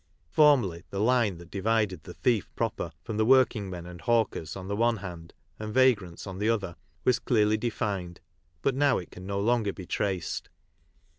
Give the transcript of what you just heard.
Formerly the line that divided the thief roper from the working men and hawkers on the one and and vagrants on the other was clearly defined, but now it can no longer be traced.